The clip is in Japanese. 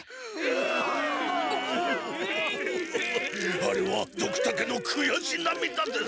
あれはドクタケのくやしなみだです。